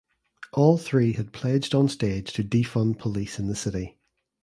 All three had pledged on stage to "defund police" in the city.